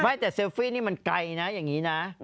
ไม่แต่เซลฟี่นี่มันไกลนะอย่างนี้นะ